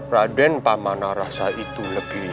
raden pamana rasa itu lebih